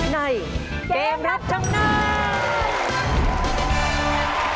ในเกมรับจำนำ